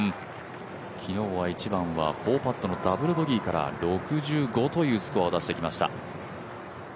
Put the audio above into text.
昨日は１番は４パットのダブルパットから６５というスコアを出してきました。